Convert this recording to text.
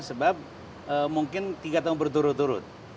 sebab mungkin tiga tahun berturut turut